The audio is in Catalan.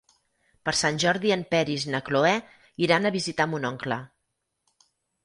Per Sant Jordi en Peris i na Cloè iran a visitar mon oncle.